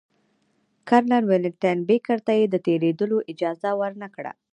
کرنل ولنټین بېکر ته یې د تېرېدلو اجازه ورنه کړه.